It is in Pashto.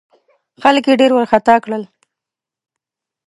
خلک یې ډېر وارخطا کړل.